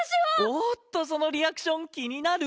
おーっとそのリアクション気になる！